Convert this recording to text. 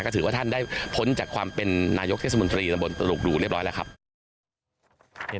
ก็ถือว่าท่านได้พ้นจากความเป็นนายกเทศมนตรีตำบลตลกดูเรียบร้อยแล้วครับ